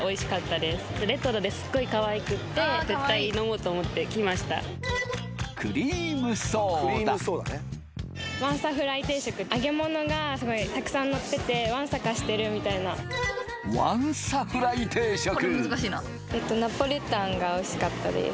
レトロですっごいかわいくって絶対飲もうと思って来ました揚げ物がたくさんのっててわんさかしてるみたいながおいしかったです